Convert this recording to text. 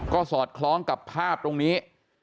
ก็สอดคล้องกับภาพตรงนี้